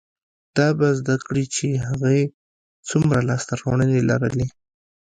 دا به زده کړي چې هغې څومره لاسته راوړنې لرلې،